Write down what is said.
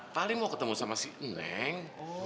paling mau ketemu sama si neng